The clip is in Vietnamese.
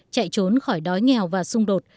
chạy trốn khỏi đói nghèo và xung đột